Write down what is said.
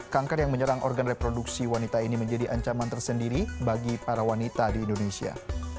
kanker yang menyerang organ reproduksi wanita ini menjadi ancaman tersendiri bagi para wanita di indonesia